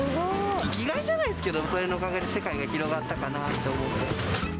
生きがいじゃないですけど、それのおかげで世界が広がったかなと思って。